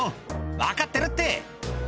「分かってるって」